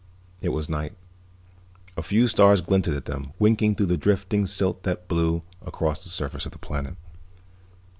It was night. A few stars glinted above them, winking through the drifting silt that blew across the surface of the planet.